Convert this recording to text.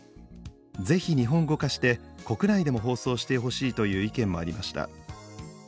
是非日本語化して国内でも放送してほしい」という意見もありました。